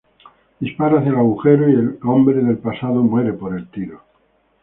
Dispara hacia el agujero y el hombre del pasado muere por el tiro.